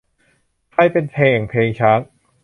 ใครเป็นแต่งเพลงช้าง